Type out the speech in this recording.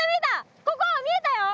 ここ見えたよ！